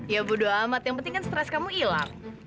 ya bodoh amat yang penting kan stres kamu hilang